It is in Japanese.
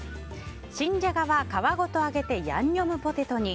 新ジャガは皮ごと揚げてヤンニョムポテトに。